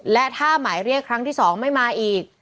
และถ้าหมายเรียกครั้งที่๒ไม่มาอีก